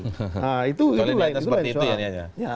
nah itu lain soal